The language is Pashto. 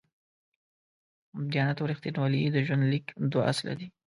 دیانت او رښتینولي د ژوند لیک دوه اصله دي.